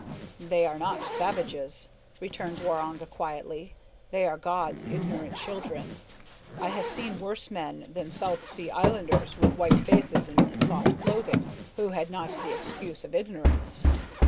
"They are not savages," returned Waroonga quietly, "they are God's ignorant children. I have seen worse men than South sea islanders with white faces an' soft clothin' who had not the excuse of ignorance."